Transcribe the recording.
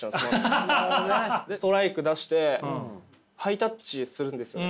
ストライク出してハイタッチするんですよ。